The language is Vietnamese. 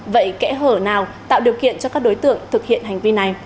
vậy kẽ hở nào tạo điều kiện cho các đối tượng thực hiện hành vi này